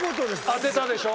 当てたでしょ。